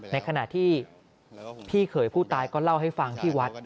ในขณะที่พี่เขยผู้ตายก็เล่าให้ฟังที่วัด